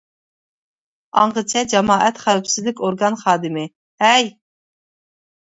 ئاڭغىچە جامائەت خەۋپسىزلىك ئورگان خادىمى: ھەي!